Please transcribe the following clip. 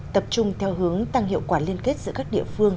tập trung theo hướng tăng hiệu quả liên kết giữa các địa phương